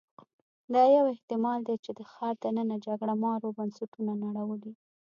دا یو احتمال دی چې د ښار دننه جګړه مارو بنسټونه نړولي